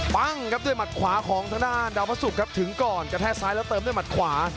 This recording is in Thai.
ปั้งครับด้วยหมัดขวาของทางด้านดาวพระศุกร์ครับถึงก่อนกระแทกซ้ายแล้วเติมด้วยหมัดขวา